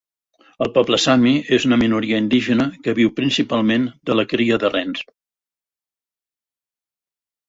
El poble Sami és una minoria indígena que viu principalment de la cria de rens.